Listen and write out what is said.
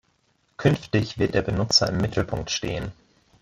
Künftig wird der Benutzer im Mittelpunkt stehen.